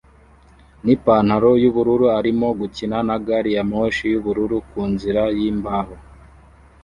nipantaro yubururu arimo gukina na gari ya moshi yubururu ku nzira yimbaho